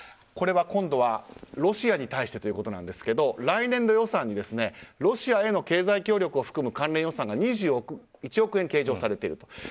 これは今度はロシアに対してということなんですが来年度予算にロシアへの経済協力を含む関連予算が２１億円計上されている。